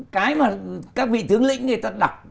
cái mà các vị tướng lĩnh người ta đọc